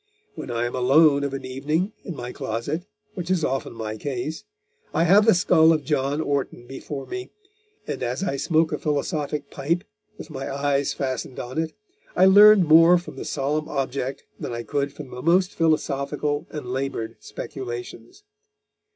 When I am alone of an evening, in my closet, which is often my case, I have the skull of John Orton before me, and as I smoke a philosophic pipe, with my eyes fastened on it, I learn more from the solemn object than I could from the most philosophical and laboured speculations.